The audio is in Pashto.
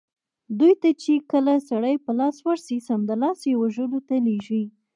دوی ته چې کله سړي په لاس ورسي سمدلاسه یې وژلو ته لېږي.